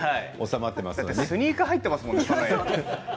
スニーカー入ってますもんね。